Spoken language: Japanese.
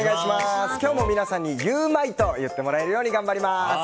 今日も皆さんにゆウマいと言ってもらえるように頑張ります！